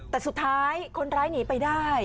แต่สุดท้ายคนร้ายหนีไปได้